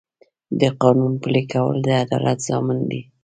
د قانون پلي کول د عدالت ضامن دی.